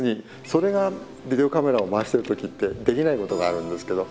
それがビデオカメラを回してる時ってできないことがあるんですけど